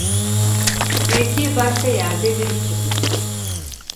Belki başka yerde bir iş çıkmıştı.